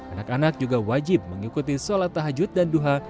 anak anak juga wajib mengikuti sholat tahajud dan duha